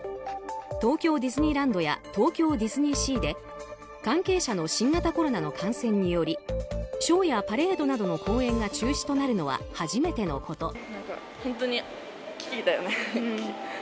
東京ディズニーランドや東京ディズニーシーで関係者の新型コロナの感染によりショーやパレードなどの公演が中止となるのは初めてのこと。